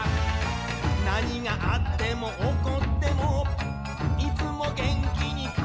「何があっても起こっても」「いつも元気に顔上げて」